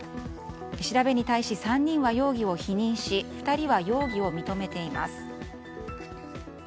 調べに対し３人は容疑を否認し２人は容疑を認めています。